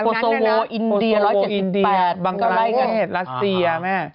โฮโซโวอินเดีย๑๗๘บังกาเลรัสเซีย